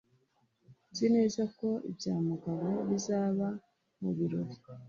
Nzi neza ko ibya Mugabo bizaba mu birori.